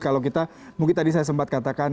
kalau kita mungkin tadi saya sempat katakan